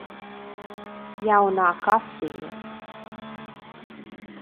Jaunā kasiere.